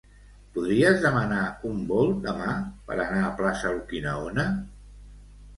Podries demanar un Bolt demà per anar a plaça Urquinaona?